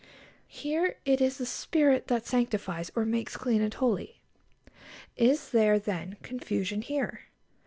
Here it is the Spirit that sanctifies or makes clean and holy. Is there, then, confusion here?